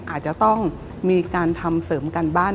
อาจจะต้องมีการทำเสริมการบ้าน